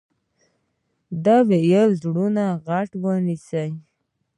ده وويل زړونه غټ ونيسئ.